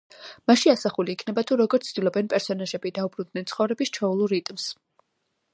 მასში ასახული იქნება, თუ როგორ ცდილობენ პერსონაჟები, დაუბრუნდნენ ცხოვრების ჩვეულ რიტმს.